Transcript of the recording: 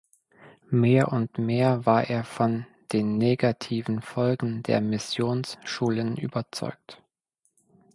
Mehr und mehr war er von den negativen Folgen der Missionsschulen überzeugt.